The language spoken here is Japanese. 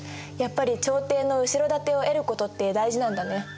やっぱり朝廷の後ろ盾を得ることって大事なんだね。